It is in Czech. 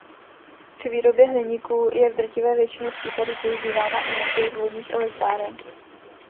Při výrobě hliníku je v drtivé většině případů používána energie z vodních elektráren.